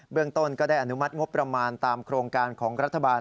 ต้นก็ได้อนุมัติงบประมาณตามโครงการของรัฐบาล